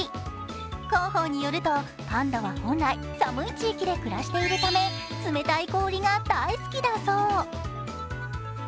広報によると、パンダは本来寒い地域で暮らしているため、冷たい氷が大好きだそう。